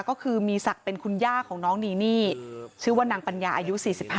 ก็คือมีศักดิ์เป็นคุณย่าของน้องนีนี่ชื่อว่านางปัญญาอายุ๔๕